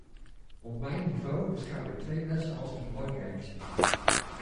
Op mijn niveau beschouw ik twee lessen als de belangrijkste.